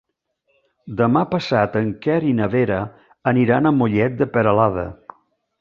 Demà passat en Quer i na Vera aniran a Mollet de Peralada.